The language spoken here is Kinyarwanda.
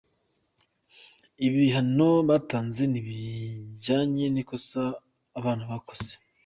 Ibihano batanze ntibijyanye n’ikosa abana bakoze.